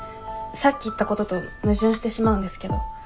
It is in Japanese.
さっき言ったことと矛盾してしまうんですけど。